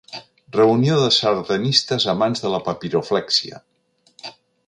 Reunió de sardanistes amants de la papiroflèxia.